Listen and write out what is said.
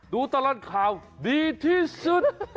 ดูตลอดข่าวดีที่สุด